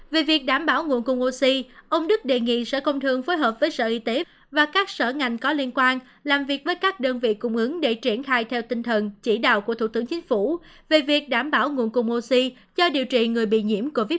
về việc đảm bảo nguồn cung oxy ông đức đề nghị sở công thương phối hợp với sở y tế và các sở ngành có liên quan làm việc với các đơn vị cung ứng để triển khai theo tinh thần chỉ đạo của thủ tướng chính phủ về việc đảm bảo nguồn cung oxy cho điều trị người bị nhiễm covid một mươi chín